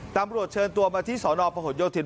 ตำรวจเชิญตัวมาที่สนประหลโยธิน